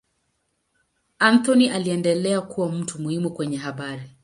Anthony akaendelea kuwa mtu muhimu kwenye habari.